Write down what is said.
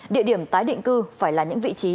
địa điểm tái định cư phải là những vị trí